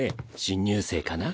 新入生かな？